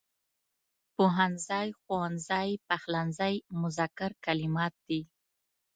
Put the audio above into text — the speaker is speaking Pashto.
پوهنځی، ښوونځی، پخلنځی مذکر کلمات دي.